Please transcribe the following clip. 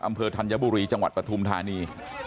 อำเภอธัญบุรีจังหวัดประทุมธานี